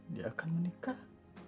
dia akan menikah